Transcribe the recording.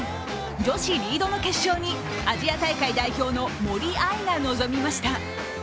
女子リードの決勝にアジア大会代表の森秋彩が臨みました。